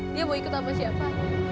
dia mau ikut sama siapa